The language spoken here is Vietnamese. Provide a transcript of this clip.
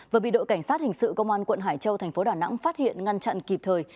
vừa bị đội cảnh sát hình sự công an quận hải châu thành phố đà nẵng phát hiện ngăn chặn kịp thời